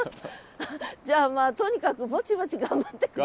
じゃあまあとにかくぼちぼち頑張って下さい。